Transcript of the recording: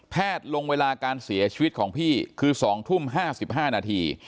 ลงเวลาการเสียชีวิตของพี่คือ๒ทุ่ม๕๕นาที